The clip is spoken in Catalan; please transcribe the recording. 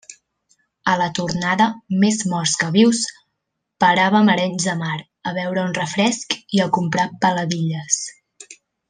A la tornada, més morts que vius, paràvem a Arenys de Mar a beure un refresc i a comprar peladilles.